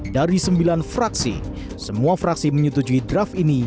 dari sembilan fraksi semua fraksi menyetujui draft ini